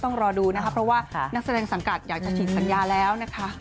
ต้องรอดูนะคะเพราะว่านักแสดงสังกัดอยากจะฉีดสัญญาแล้วนะคะ